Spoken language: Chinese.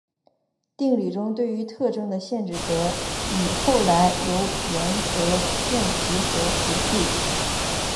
定理中对于特征的限制则与后来由岩泽健吉和除去。